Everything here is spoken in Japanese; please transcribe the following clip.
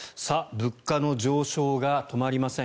物価の上昇が止まりません。